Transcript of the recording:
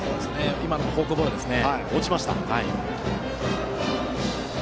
今のもフォークボールでしたね。